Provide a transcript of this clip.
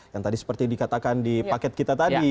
yang tadi seperti dikatakan di paket kita tadi